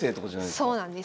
そうなんです。